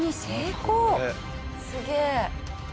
すげえ！